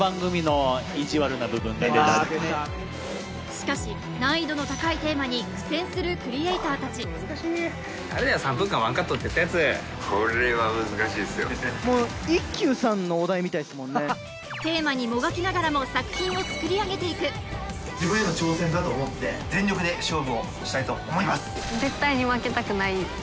しかし難易度の高いテーマに苦戦するクリエイター達テーマにもがきながらも作品を作り上げていく・全力で勝負をしたいと思います